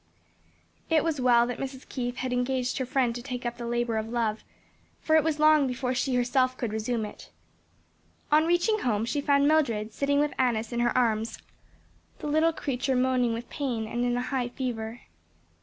It was well that Mrs. Keith had engaged her friend to take up the labor of love, for it was long before she herself could resume it. On reaching home she found Mildred sitting with Annis in her arms, the little creature moaning with pain and in a high fever.